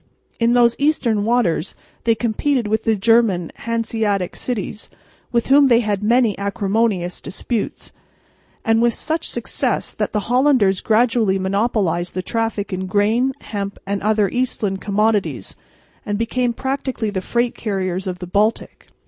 In those eastern waters they competed with the German Hanseatic cities, with whom they had many acrimonious disputes, and with such success that the Hollanders gradually monopolised the traffic in grain, hemp and other "Eastland" commodities and became practically the freight carriers of the Baltic.